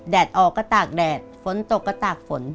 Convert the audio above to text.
ออกก็ตากแดดฝนตกก็ตากฝน